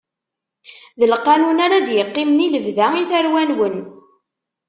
D lqanun ara d-iqqimen i lebda, i tarwa-nwen.